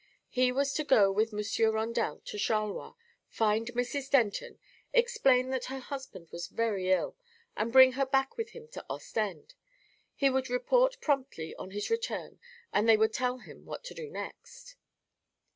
He was to go with Monsieur Rondel to Charleroi, find Mrs. Denton, explain that her husband was very ill, and bring her back with him to Ostend. He would report promptly on his return and they would tell him what to do next.